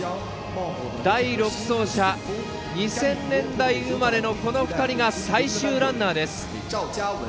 第６走者、２０００年代生まれのこの２人が最終ランナーです。